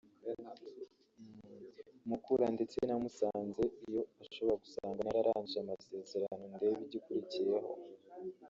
Mukura ndetse na Musanze yo ishobora gusanga nararangije amasezerano ndebe igikurikiyeho”